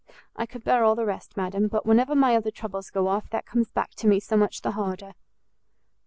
I could bear all the rest, madam, but whenever my other troubles go off, that comes back to me so much the harder!"